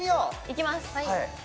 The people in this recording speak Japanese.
いきます！